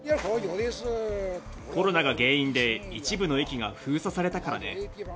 コロナが原因で、一部の駅が封鎖されたからね。